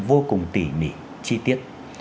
vô cùng tỉ mỉ chi tiết